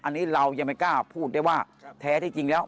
อันนี้เรายังไม่กล้าพูดได้ว่าแท้ที่จริงแล้ว